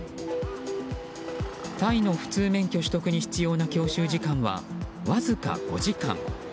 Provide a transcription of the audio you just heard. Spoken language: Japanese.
タイの普通免許取得に必要な教習時間はわずか５時間。